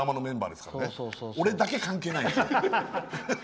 俺だけ関係ない。